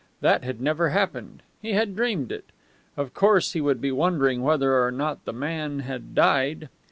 That had never happened; he had dreamed it. Of course he would be wondering whether or not the man had died.